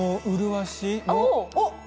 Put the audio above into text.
「うるわしの」